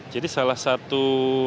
jadi salah satu